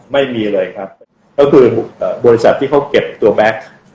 ไม่มีเลยครับก็คือบริษัทที่เขาเก็บตัวแบ็ค